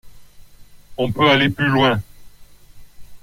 On peut aller plus loin.